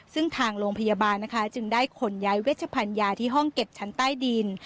ซึ่งทางโรงพยาบาลนะคะจึงได้ขนย้ายเวชพันยาที่ห้องเก็บชั้นใต้ดิน